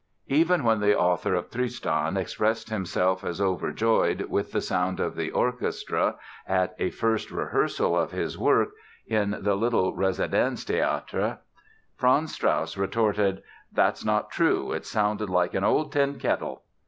Even when the author of Tristan expressed himself as overjoyed with the sound of the orchestra at a first rehearsal of his work in the little Residenz Theatre Franz Strauss retorted: "That's not true! It sounded like an old tin kettle!"